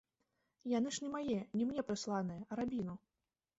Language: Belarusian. Яны ж не мае, не мне прысланыя, а рабіну.